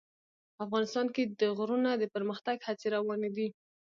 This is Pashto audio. افغانستان کې د غرونه د پرمختګ هڅې روانې دي.